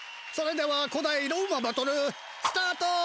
それでは古代ローマバトルスタート！